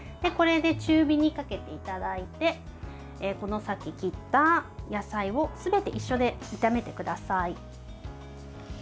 これで中火にかけていただいてさっき切った野菜をすべて一緒で炒めてください。